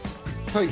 はい。